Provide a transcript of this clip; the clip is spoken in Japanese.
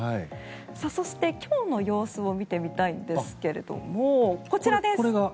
そして、今日の様子を見てみたいんですがこちらです。